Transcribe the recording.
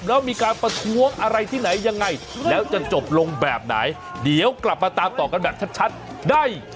แล้วมีการประท้วงอะไรที่ไหนยังไงแล้วจะจบลงแบบไหนเดี๋ยวกลับมาตามต่อกันแบบชัดได้